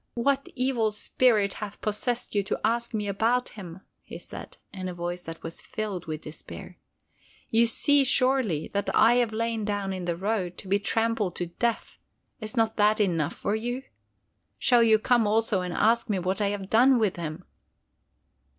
"What evil spirit hath possessed you to ask me about him?" he said, in a voice that was filled with despair. "You see, surely, that I have lain down in the road to be trampled to death. Is not that enough for you? Shall you come also and ask me what I have done with him?"